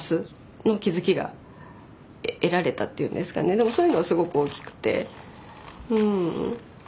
でもそういうのはすごく大きくてうん。